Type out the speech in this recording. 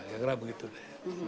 ya karena begitu deh